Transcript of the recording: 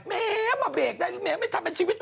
แม้ว่าเบรกได้แม้ว่าไม่ทำเป็นชีวิต